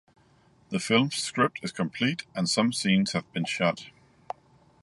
The film’s script is complete and some scenes have been shot.